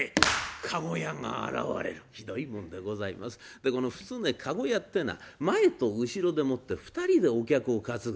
でこの普通ね駕籠屋ってえのは前と後ろでもって２人でお客を担ぐ。